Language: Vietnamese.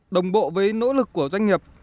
đồng bộ với nỗ lực của doanh nghiệp